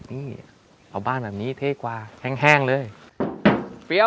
นี่เอาบ้านแบบนี้เท่กว่าแห้งเลย